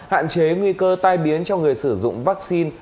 hạn chế nguy cơ tai biến cho người sử dụng vaccine